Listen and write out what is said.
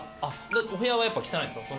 お部屋はやっぱ汚いんすか？